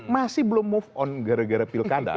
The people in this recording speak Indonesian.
masih belum move on gara gara pilkada